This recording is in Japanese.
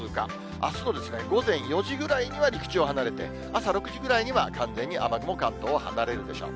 あすの午前４時ぐらいには陸地を離れて、朝６時くらいには完全に雨雲、関東を離れるでしょう。